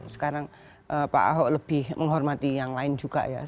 sekarang pak ahok lebih menghormati yang lain juga ya